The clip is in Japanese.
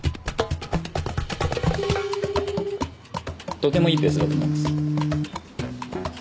とてもいいペースだと思います